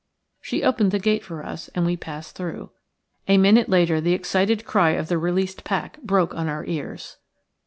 She opened the gate for us and we passed through. A minute later the excited cry of the released pack broke on our ears.